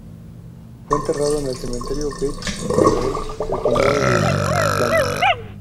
Fue enterrado en el Cementerio Beth Israel, en el condado de Atlantic.